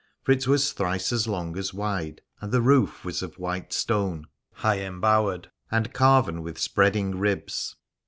For it was thrice as long as wide, and the roof was of white stone, high embowed and carven with spreading ribs.